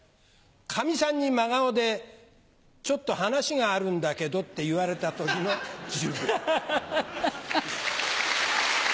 カミさんに真顔で「ちょっと話があるんだけど」って言われた時の１０秒。